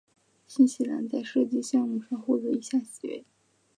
新西兰在射击项目上获得以下席位。